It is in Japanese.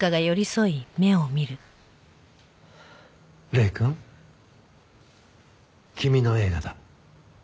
礼くん君の映画だ。